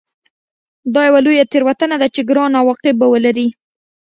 دا یوه لویه تېروتنه ده چې ګران عواقب به ولري